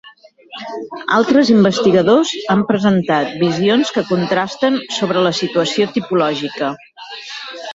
Altres investigadors han presentat visions que contrasten sobre la situació tipològica.